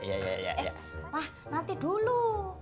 eh pak nanti dulu